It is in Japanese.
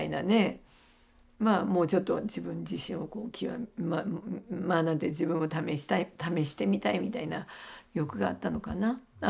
もうちょっと自分自身を極め自分を試したい試してみたいみたいな欲があったのかな。